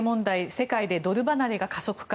世界でドル離れが加速か。